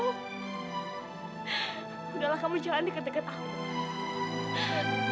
udah lah kamu jangan diketekan aku